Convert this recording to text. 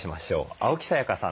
青木さやかさんです。